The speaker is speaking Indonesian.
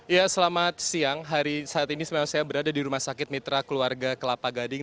ya selamat siang hari saat ini memang saya berada di rumah sakit mitra keluarga kelapa gading